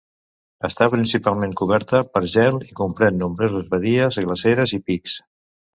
Està principalment coberta pel gel i comprèn nombroses badies, glaceres i pics.